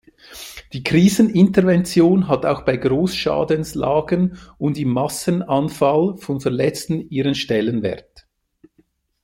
Die Krisenintervention hat auch bei Großschadenslagen und im Massenanfall von Verletzten ihren Stellenwert.